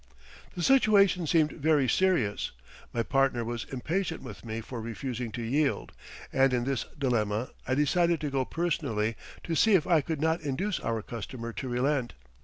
The situation seemed very serious; my partner was impatient with me for refusing to yield, and in this dilemma I decided to go personally to see if I could not induce our customer to relent.